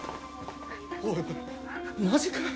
おいマジかよ。